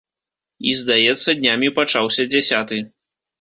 І, здаецца, днямі пачаўся дзясяты.